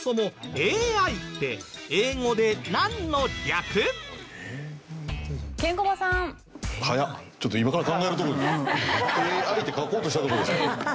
ＡＩって書こうとしたとこです。